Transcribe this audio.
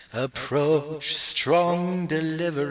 _ _Approach, strong deliveress!